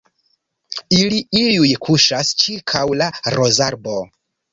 Ili iuj kuŝas ĉirkaŭ la rozarbo.